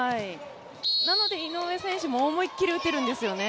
なので井上選手も思い切り打てるんですよね。